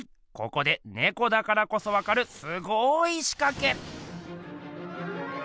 ここでねこだからこそわかるすごいしかけ！